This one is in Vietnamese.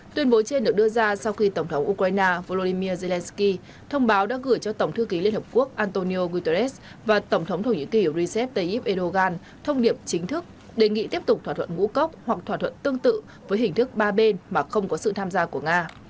tuyên bố trên được đưa ra sau khi tổng thống ukraine volodymyr zelenskyy thông báo đã gửi cho tổng thư ký liên hợp quốc antonio guterres và tổng thống thổ nhĩ kỳ recep tayyip erdogan thông điệp chính thức đề nghị tiếp tục thỏa thuận ngũ cốc hoặc thỏa thuận tương tự với hình thức ba bên mà không có sự tham gia của nga